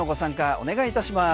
お願いいたします。